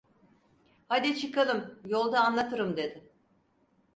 "Haydi, çıkalım, yolda anlatırım!" dedi.